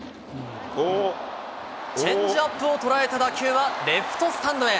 チェンジアップを捉えた打球はレフトスタンドへ。